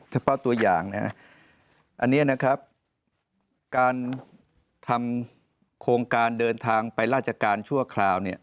เฉพาะตัวอย่างนะครับอันนี้นะครับการทำโครงการเดินทางไปราชการชั่วคราวเนี่ย